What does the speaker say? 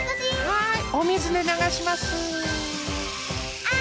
はい。